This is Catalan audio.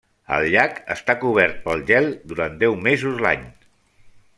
El llac està cobert pel gel durant deu mesos l'any.